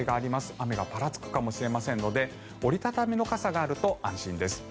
雨がぱらつくかもしれませんので折り畳みの傘があると安心です。